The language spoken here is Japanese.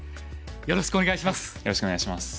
よろしくお願いします。